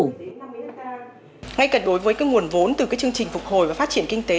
ngay cận đối với nguồn vốn từ chương trình phục hồi và phát triển kinh tế